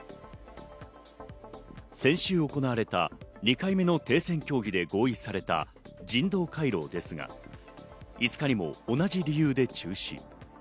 先週行われた２回目の停戦協議で合意された人道回廊ですが５日にも同じ理由で中止。